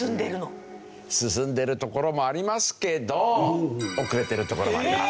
進んでるところもありますけど遅れてるところもあります。